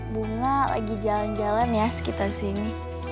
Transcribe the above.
bunga lagi jalan jalan ya sekitar sini